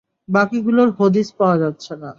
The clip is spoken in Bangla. বাকিগুলোর হদিস পাওয়া যাচ্ছে না!